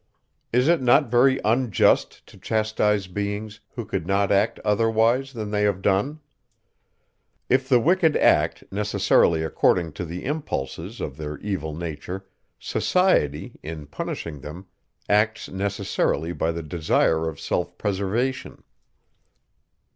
Is it not very unjust to chastise beings, who could not act otherwise than they have done?" If the wicked act necessarily according to the impulses of their evil nature, society, in punishing them, acts necessarily by the desire of self preservation.